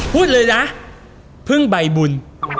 พูดเลยนะเพิ่งใบบุญ